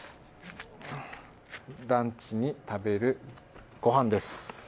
ランチに食べるご飯です。